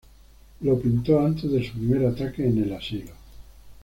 Lo pintó antes de su primer ataque en el asilo.